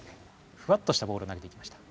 ふわっとしたボールを投げていきました。